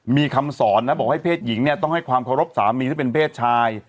มีคำสอนนะบอกให้เพศหญิงเนี่ยต้องให้ความเคารพสามีที่เป็นเพศชาย